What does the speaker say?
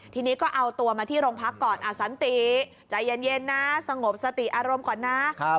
ทีนี้ก็เอาตัวมาที่โรงพักก่อนสันติใจเย็นนะสงบสติอารมณ์ก่อนนะ